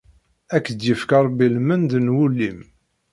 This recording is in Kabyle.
Ad k-d-yefk Ṛebbi lmend n wul-im.